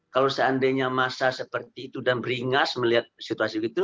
kalau seandainya masa seperti itu dan beringas melihat situasi begitu